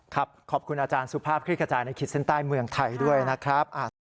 ขอบคุณอาจารย์สุภาพคลิกกระจายในขีดเส้นใต้เมืองไทยด้วยนะครับ